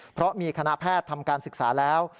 เพราะมีคณะแพทย์ทำการศึกษาแล้ว